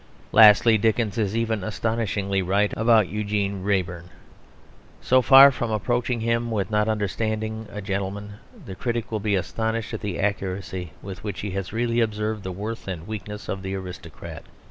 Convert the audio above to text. Lastly, Dickens is even astonishingly right about Eugene Wrayburne. So far from reproaching him with not understanding a gentleman, the critic will be astonished at the accuracy with which he has really observed the worth and the weakness of the aristocrat.